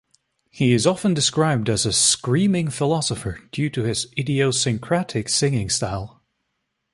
He is often described as a "screaming philosopher" due to his idiosyncratic singing style.